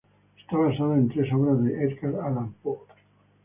Está basada en tres obras de Edgar Allan Poe.